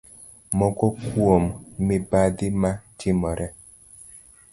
Moko kuom mibadhi ma timore